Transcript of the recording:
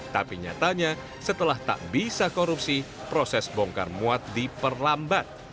tapi nyatanya setelah tak bisa korupsi proses bongkar muat diperlambat